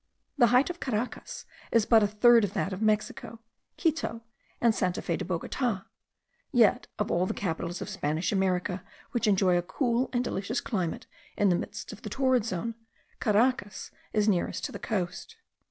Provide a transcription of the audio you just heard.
The height of Caracas is but a third of that of Mexico, Quito, and Santa Fe de Bogota; yet of all the capitals of Spanish America which enjoy a cool and delicious climate in the midst of the torrid zone, Caracas is nearest to the coast.